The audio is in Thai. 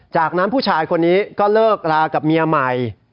จากนั้นผู้ชายคนนี้ก็เลิกรากับเมียใหม่